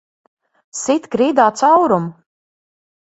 Sit grīdā caurumu!